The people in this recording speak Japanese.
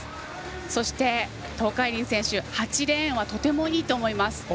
そして、東海林選手８レーンはとてもいいと思います。